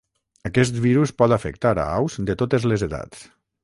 Aquest virus pot afectar a aus de totes les edats.